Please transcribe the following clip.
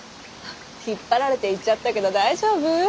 引っ張られていっちゃったけど大丈夫？